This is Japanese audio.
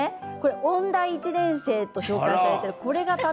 音大１年生と紹介されています。